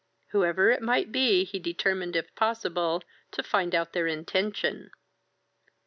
Whoever it might be, he determined, if possible, to find out their intention.